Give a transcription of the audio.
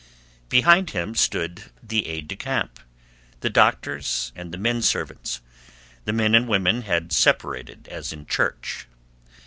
Behind him stood the aide de camp, the doctors, and the menservants; the men and women had separated as in church.